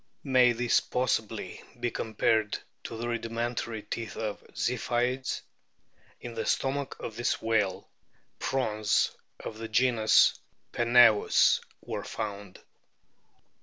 May these possibly be compared to the rudimentary teeth of Ziphioids ? In the stomach of this whale prawns of the genus Pencils were found.